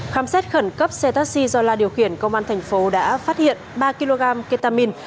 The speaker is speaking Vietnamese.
khám xét khẩn cấp xe taxi do la điều khiển công an tp đã phát hiện ba kg ketamine